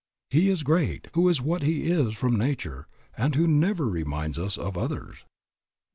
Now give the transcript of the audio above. "He is great who is what he is from nature and who never reminds us of others."